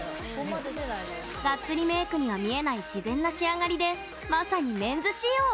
ガッツリメークには見えない自然な仕上がりでまさにメンズ仕様。